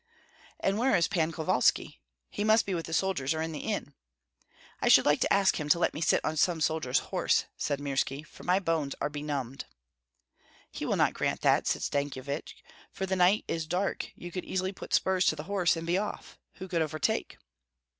"And where is Pan Kovalski?" "He must be with the soldiers or in the inn." "I should like to ask him to let me sit on some soldier's horse," said Mirski, "for my bones are benumbed." "He will not grant that," said Stankyevich; "for the night is dark, you could easily put spurs to the horse, and be off. Who could overtake?"